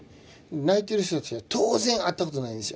泣いてる人たちは当然会ったことないんですよ。